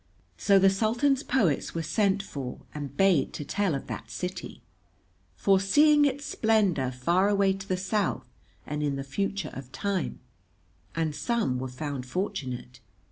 So the Sultan's poets were sent for and bade to tell of that city, foreseeing its splendour far away to the South and in the future of time; and some were found fortunate.